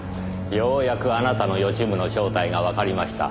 ようやくあなたの予知夢の正体がわかりました。